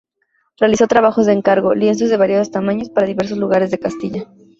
Realizó trabajos de encargo —lienzos de variados tamaños— para diversos lugares de Castilla.